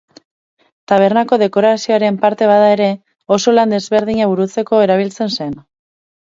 Tabernako dekorazioaren parte bada ere, oso lan ezberdina burutzeko erabiltzen zen.